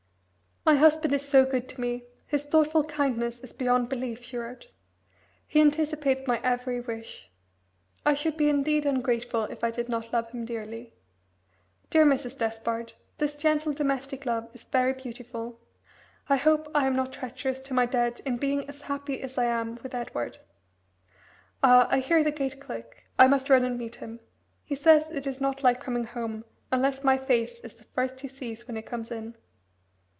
"My husband is so good to me, his thoughtful kindness is beyond belief," she wrote. "He anticipates my every wish. I should be indeed ungrateful if I did not love him dearly. Dear Mrs. Despard, this gentle domestic love is very beautiful. I hope I am not treacherous to my dead in being as happy as I am with Edward. Ah! I hear the gate click I must run and meet him. He says it is not like coming home unless my face is the first he sees when he comes in.